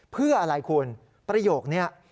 เพื่ออะไรคุณประโยคนี้